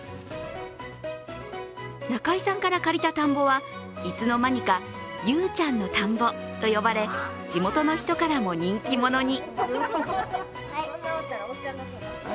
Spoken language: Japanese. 中井さんから借りた田んぼはいつの間にかゆうちゃんの田んぼと呼ばれ地元の人からも人気者に。